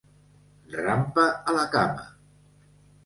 Rampa a la Cama!